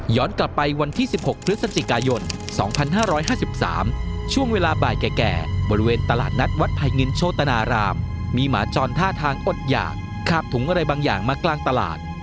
กลับไปวันที่๑๖พฤศจิกายน๒๕๕๓ช่วงเวลาบ่ายแก่บริเวณตลาดนัดวัดไผ่เงินโชตนารามมีหมาจรท่าทางอดหยากคาบถุงอะไรบางอย่างมากลางตลาด